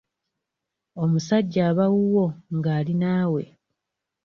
Omusajja aba wuwo nga ali naawe.